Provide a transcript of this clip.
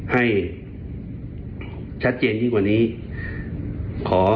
ให้ชัดเจนยิ่งกว่านี้ขอ